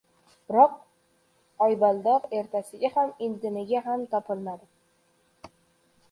Biroq oybaldoq ertasiga ham, indiniga ham topilmadi.